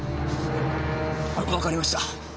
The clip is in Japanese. わかりました。